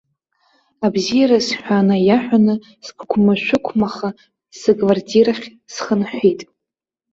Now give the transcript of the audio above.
Абзиараз ҳәа наиаҳәаны сқәықәмашәықәмаха сыквартирахь схынҳәит.